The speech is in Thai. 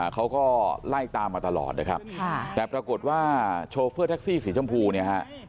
เขาก็ไล่ตามมาตลอดนะครับแต่ปรากฏว่าโชเฟอร์แท็กซี่สีชมพูเนี่ยฮะ